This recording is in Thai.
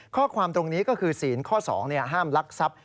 ข้อความตรงนี้ก็คือศีลข้อ๒ห้ามลักทรัพย์